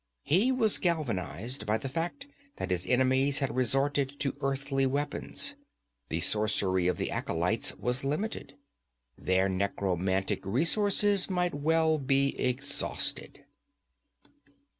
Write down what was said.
He was galvanized by the fact that his enemies had resorted to earthly weapons. The sorcery of the acolytes was limited. Their necromantic resources might well be exhausted.